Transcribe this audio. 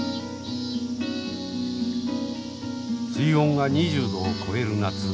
水温が２０度を超える夏